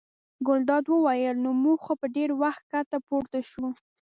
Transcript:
ګلداد وویل: نو موږ خو ډېر وخت ښکته پورته شوو.